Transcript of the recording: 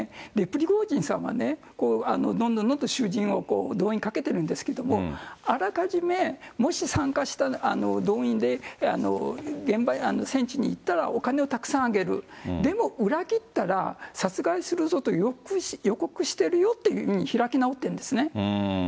プリゴジンさんはね、どんどんどんどん囚人を動員かけてるんですけども、あらかじめ、もし参加した、動員で戦地に行ったらお金をたくさんあげる、でも裏切ったら、殺害するぞと予告してるよっていうように開き直ってるんですね。